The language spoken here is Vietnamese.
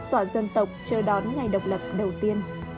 tỏa dân tộc chờ đón ngày độc lập đầu tiên